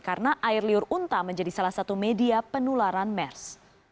karena air liur unta menjadi salah satu media penularan mers